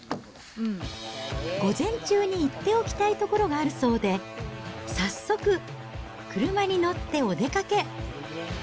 午前中に行っておきたい所があるそうで、早速、車に乗ってお出かけ。